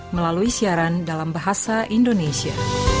melalui siaran dalam bahasa indonesia